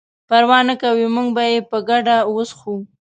پروا نه کوي موږ به یې په ګډه وڅښو.